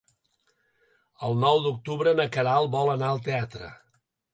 El nou d'octubre na Queralt vol anar al teatre.